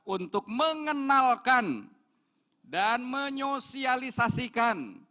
untuk mengenalkan dan menyosialisasikan